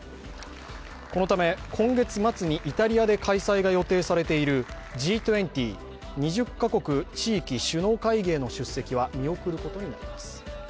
このため、今月末にイタリアで開催が予定されているＧ２０＝２０カ国地域首脳会議への出席は見送ることになっています。